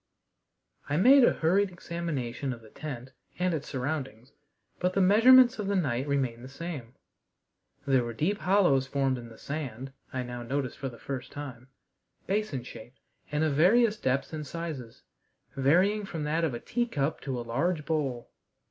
I made a hurried examination of the tent and its surroundings, but the measurements of the night remained the same. There were deep hollows formed in the sand, I now noticed for the first time, basin shaped and of various depths and sizes, varying from that of a teacup to a large bowl.